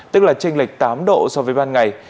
tức là tranh lệch tám độ so với ban ngày